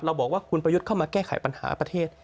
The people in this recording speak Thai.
บอกว่าคุณประยุทธ์เข้ามาแก้ไขปัญหาประเทศ